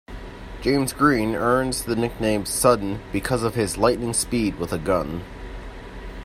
James Green earns the nickname "Sudden" because of his lightning speed with a gun.